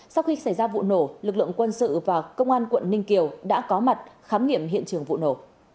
sau khi xảy ra vụ nổ lực lượng quân sự và công an quận ninh kiều đã có mặt khám nghiệm hiện trường vụ nổ